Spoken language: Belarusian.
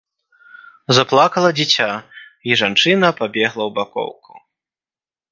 Заплакала дзіця, і жанчына пабегла ў бакоўку.